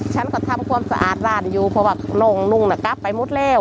ฉันก็ทำความสะอาดร้านอยู่เพราะว่านุ่งไปหมดแล้ว